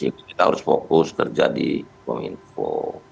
ini kita harus fokus kerja di kominfo